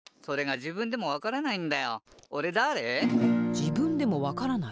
じぶんでもわからない？